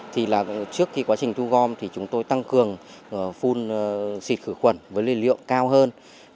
trước khi quá trình thu gom chúng tôi tăng cường phun xịt khử quẩn với lưu lượng cao hơn